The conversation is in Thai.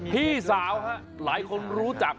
พี่สาวหลายคนรู้จัก